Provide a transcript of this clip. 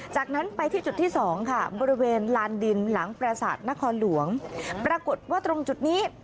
จากนั้นไปที่จุดที่สองค่ะบริเวณลานดินหลังประสาทนครหลวงปรากฏว่าตรงจุดนี้